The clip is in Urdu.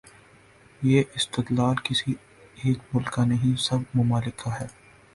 یہ استدلال کسی ایک ملک کا نہیں، سب ممالک کا ہے۔